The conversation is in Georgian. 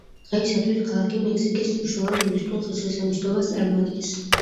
დღეისათვის ქალაქი მექსიკის მნიშვნელოვან ტურისტულ ღირსშესანიშნაობას წარმოადგენს.